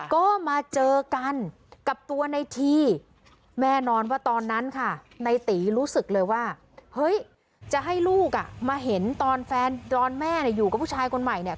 ก็มาเจอกันกับตัวในทีแม่นอนว่าตอนนั้นค่ะในตีรู้สึกเลยว่าเฮ้ยจะให้ลูกอ่ะมาเห็นตอนแฟนดอนแม่เนี่ยอยู่กับผู้ชายคนใหม่เนี่ย